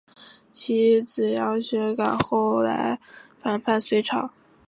其子杨玄感后来反叛隋朝。